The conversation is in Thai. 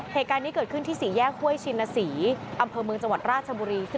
เหตุการณ์นี้เกิดขึ้นที่สี่แยกห้วยชินศรีอำเภอเมืองจังหวัดราชบุรี